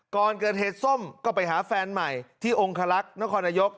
ก่อนเกิดเหตุส้มก็ไปหาแฟนใหม่ที่องคลักษณ์นายก